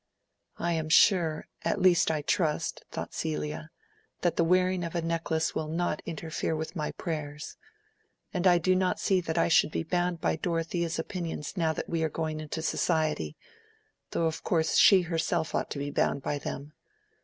"I am sure—at least, I trust," thought Celia, "that the wearing of a necklace will not interfere with my prayers. And I do not see that I should be bound by Dorothea's opinions now we are going into society, though of course she herself ought to be bound by them.